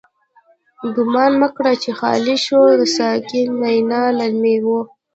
گومان مکړه چی خالی شوه، د ساقی مینا له میو